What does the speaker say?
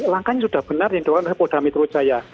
langkahnya sudah benar yang diperlukan oleh pudah metro jaya